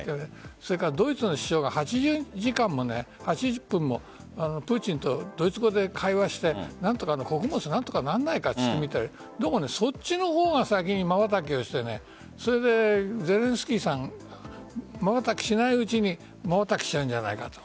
それからドイツの首相が８０分もプーチンとドイツ語で会話して何とか穀物ならないかと言ってみたりどうもそっちの方が先にまばたきをしてゼレンスキーさんまばたきしないうちにまばたきしちゃうんじゃないかと。